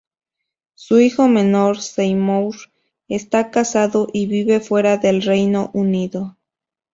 Su hijo menor Seymour está casado y vive fuera del Reino Unido.